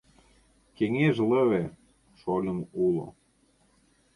Кеҥеж лыве — шольым уло.